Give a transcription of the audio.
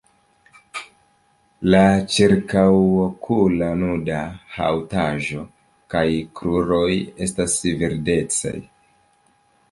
La ĉirkaŭokula nuda haŭtaĵo kaj la kruroj estas verdecaj.